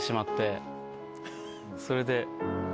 それで。